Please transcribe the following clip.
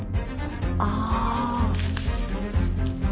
ああ。